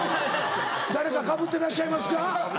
誰かかぶってらっしゃいますか？